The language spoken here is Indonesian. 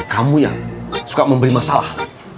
kamu yang suka memberi masalah